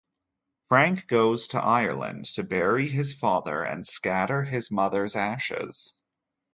Frank goes to Ireland to bury his father and scatter his mother's ashes.